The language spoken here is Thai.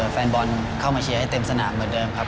แฟนบอลเข้ามาเชียร์ให้เต็มสนามเหมือนเดิมครับ